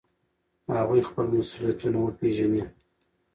هغوی خپل مسؤلیتونه وپیژني.